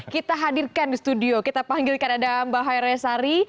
kita hadirkan di studio kita panggilkan ada mbak haira sari